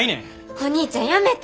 お兄ちゃんやめて。